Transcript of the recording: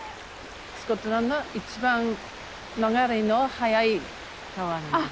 スコットランド一番流れの速い川なんです。